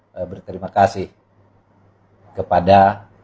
saya berterima kasih kepada